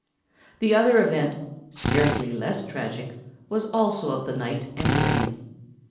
The other event, scarcely less tragic, was also of the night and rain.